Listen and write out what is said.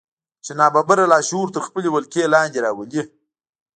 چې ناببره لاشعور تر خپلې ولکې لاندې راولي.